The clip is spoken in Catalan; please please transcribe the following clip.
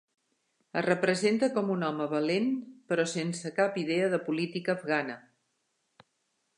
Es representa com un home valent, però sense cap idea de política afgana.